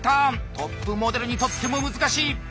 トップモデルにとっても難しい！